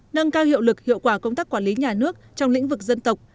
nâng cao hiệu lực hiệu quả công tác quản lý nhà nước trong lĩnh vực dân tộc